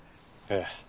ええ。